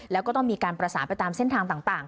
แล้วก็ต้องมีการประสานไปตามเส้นทางต่าง